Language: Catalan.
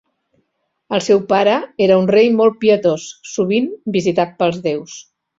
El seu pare era un rei molt pietós, sovint visitat pels déus.